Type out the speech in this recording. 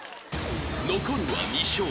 ［残るは２笑］